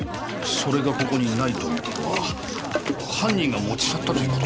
それがここにないという事は犯人が持ち去ったという事でしょうか？